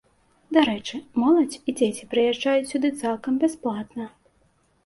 Дарэчы, моладзь і дзеці прыязджаюць сюды цалкам бясплатна.